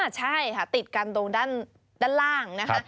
ใช่ค่ะติดกันตรงด้านล่างนะคะ